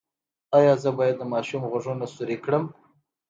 ایا زه باید د ماشوم غوږونه سورۍ کړم؟